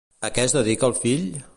A què es dedica el fill?